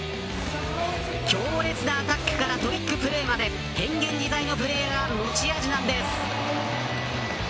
強烈なアタックからトリックプレーまで変幻自在のプレーが持ち味なんです。